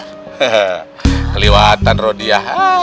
he he kelihatan rodia